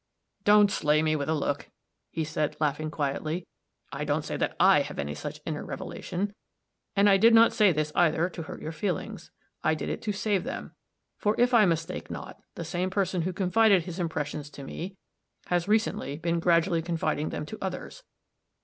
"Don't 'slay me with a look'," he said, laughing quietly. "I don't say that I have any such inner revelation. And I did not say this, either, to hurt your feelings. I did it to save them. For, if I mistake not, the same person who confided his impressions to me, has recently been gradually confiding them to others.